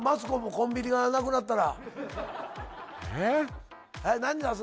コンビニがなくなったら？